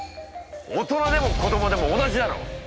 大人でも子どもでも同じだろ！